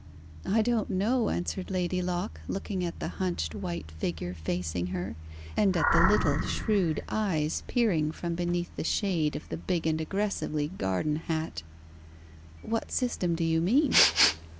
"I don't know," answered Lady Locke, looking at the hunched white figure facing her, and at the little shrewd eyes peering from beneath the shade of the big and aggressively garden hat. "What system do you mean?"